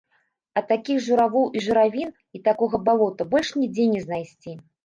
А такіх журавоў і журавін і такога балота больш нідзе не знайсці!